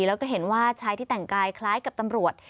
แล้วก็เห็นว่าชายที่แต่งกายคล้ายกับตำรวจ